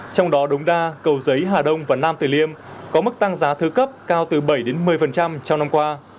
trong đó đống đa cầu giấy hà đông và nam tử liêm có mức tăng giá thứ cấp cao từ bảy một mươi trong năm qua